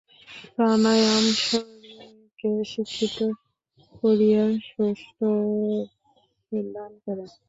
প্রাণায়াম শরীরকে শিক্ষিত করিয়া সৌষ্ঠব দান করে।